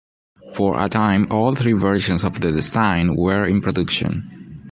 For a time, all three versions of the design were in production.